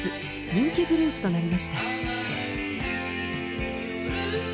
人気グループとなりました。